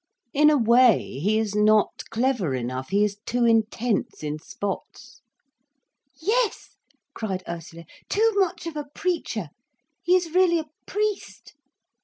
In a way, he is not clever enough, he is too intense in spots." "Yes," cried Ursula, "too much of a preacher. He is really a priest."